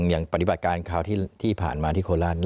อย่างปฏิบัติการที่ผ่านมาที่โคนลันไทย